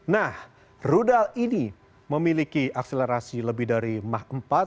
nah rudal ini memiliki akselerasi lebih dari mah empat